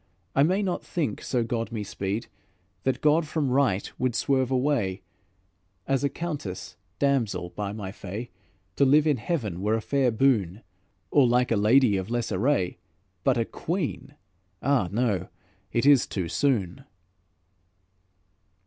I may not think, so God me speed! That God from right would swerve away; As a countess, damsel, by my fay! To live in heaven were a fair boon, Or like a lady of less array, But a queen! Ah, no! it is too soon."